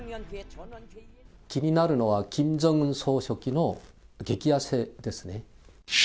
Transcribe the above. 気になるのは、キム・ジョンウン総書記の激痩せですね。